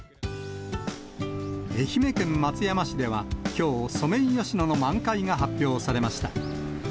愛媛県松山市では、きょう、ソメイヨシノの満開が発表されました。